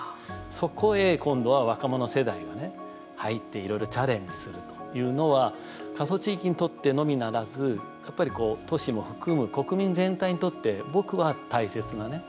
そこへ今度は若者世代がね入っていろいろチャレンジするというのは過疎地域にとってのみならずやっぱり、都市も含む国民全体にとって僕は大切なね